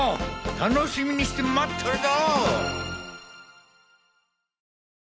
楽しみにしてまっとるぞ！